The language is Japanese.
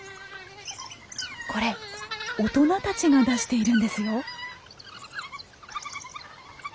これ大人たちが出しているんですよ。